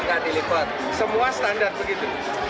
dan semua standar begitu